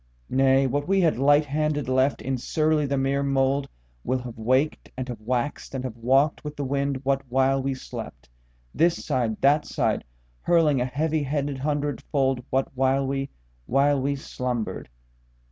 Nay, what we had lighthanded left in surly the mere mouldWill have waked and have waxed and have walked with the wind what while we slept, This side, that side hurling a heavyheaded hundredfoldWhat while we, while we slumbered.